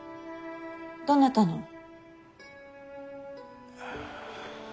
どなたの。